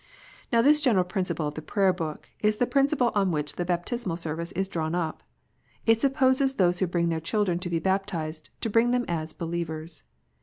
Now this general principle of the Prayer book is the prin ciple on which the Baptismal Service is drawn up. It supposes those who bring their children to be baptized, to bring them as believers.